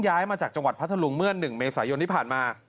ย้ายมาจากจังหวัดพัทธลุงเมื่อ๑เมษายนที่ผ่านมา